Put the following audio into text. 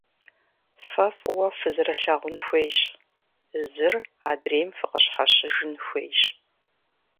Фэ фӀыуэ фызэрылъагъун хуейщ, зыр адрейм фыкъыщхьэщыжын хуейщ.